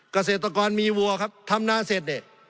เกษตรกรมีวัวครับทำนาเสร็จเนี่ย